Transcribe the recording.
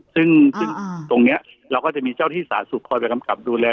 ซึ่งตรงนี้เราก็จะมีเจ้าที่สาธารณสุขคอยไปกำกับดูแล